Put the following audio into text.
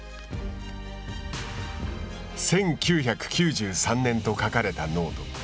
１９９３年と書かれたノート。